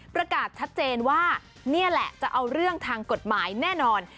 ประกาศชัดเจนว่านี่แหละจะเอาเรื่องทางกฎหมายแน่นอน